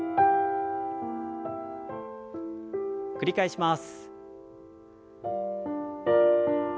繰り返します。